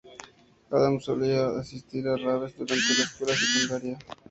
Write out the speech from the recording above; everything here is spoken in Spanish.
Adams solía asistir a raves durante la escuela secundaria.